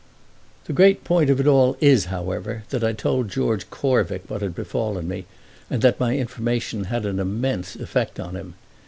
The great point of it all is, however, that I told George Corvick what had befallen me and that my information had an immense effect upon him.